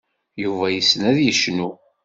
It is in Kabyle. Yuba yessen ad yecnu.